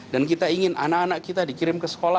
dan kita ingin anak anak kita dikirim ke sekolah